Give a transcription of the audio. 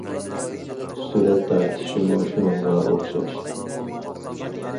سۈرەت تارتىشمۇ شۇنىڭغا ئوخشاش.